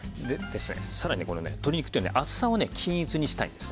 更に、鶏肉というのは厚さを均一にしたいんです。